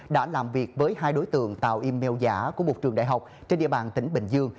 đã làm việc với hai đối tượng tạo email giả của một trường đại học trên địa bàn tỉnh bình dương